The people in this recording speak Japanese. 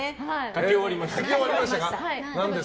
描き終わりましたか。